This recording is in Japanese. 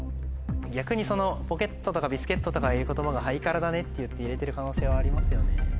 逆にポケットとかビスケットとかああいう言葉がハイカラだねっていって入れてる可能性はありますよね。